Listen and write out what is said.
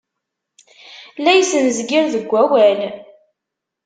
La ismezgir deg wawal.